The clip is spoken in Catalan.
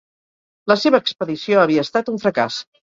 La seva expedició havia estat un fracàs.